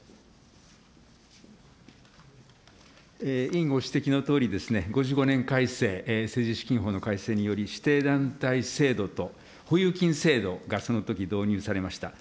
委員、ご指摘のとおり、５５年改正、政治資金規正法の改正により、、保有金制度がそのとき導入されました。